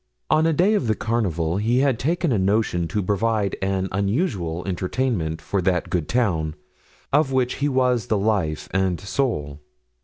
On a day of the carnival he had taken a notion to provide an unusual entertainment for that good town, of which he was the life and soul.